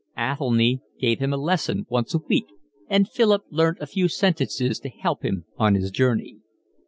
Athelny gave him a lesson once a week, and Philip learned a few sentences to help him on his journey.